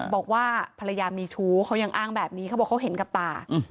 บอกว่าภรรยามีชู้เขายังอ้างแบบนี้เขาบอกเขาเห็นกับตา